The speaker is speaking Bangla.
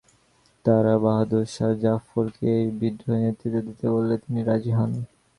তাঁরা বাহাদুর শাহ জাফরকে এই বিদ্রোহে নেতৃত্ব দিতে বললে তিনি রাজি হন।